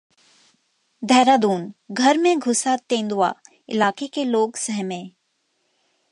देहरादून: घर में घुसा तेंदुआ, इलाके के लोग सहमे